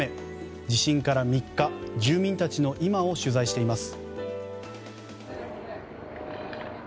地震から３日住民たちの今を取材しています。